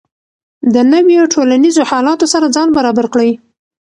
د نویو ټولنیزو حالاتو سره ځان برابر کړئ.